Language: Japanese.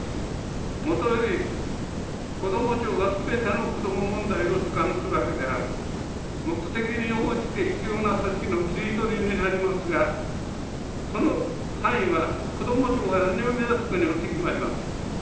もとより、こども庁がすべての子ども問題を所管するわけではなく、目的に応じて必要な組織の切り取りになりますが、その範囲は、こども庁が何を目指すかによって決まります。